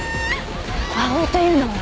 葵というのは？